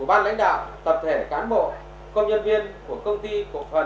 ủy ban nhân dân huyện ngoài đức đặc biệt là chủ đầu tư trong thời gian ngắn